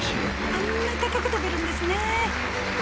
あんな高く跳べるんですね。